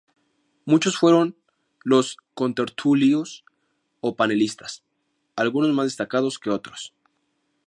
Muchos fueron los "contertulios" o panelistas, algunos más destacados que otros.